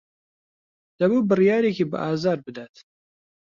دەبوو بڕیارێکی بەئازار بدات.